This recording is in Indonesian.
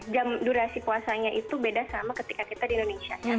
jam durasi puasanya itu beda sama ketika kita di indonesia